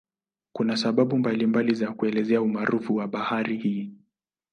Kuna sababu mbalimbali za kuelezea umaarufu wa bahari hii.